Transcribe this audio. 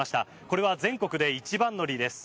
これは全国で一番乗りです。